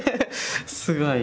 すごい。